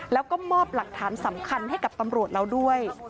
แล้วก็มอบหลักฐานสำคัญให้กับตำรวจเราด้วย